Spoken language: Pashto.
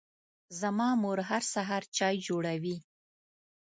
زما مور هر سهار چای جوړوي.